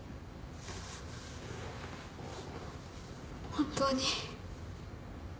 本当に。